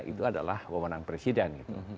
itu adalah kewenangan presiden